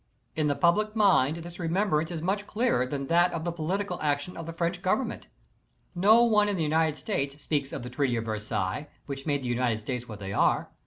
In the public mind this remembrance is much clearer than that of the political action of the French Government. No one in the United ¬´4 States speaks of the Treaty of Versailles, which made the United States what they are.